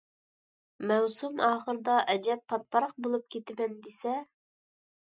مەۋسۇم ئاخىرىدا ئەجەب پاتىپاراق بولۇپ كېتىمەن دېسە.